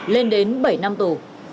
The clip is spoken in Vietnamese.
lên đến bảy năm tù